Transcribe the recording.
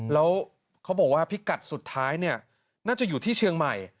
แล้วเขาบอกว่าพิกัดสุดท้ายน่าจะอยู่ที่เชียงใหม่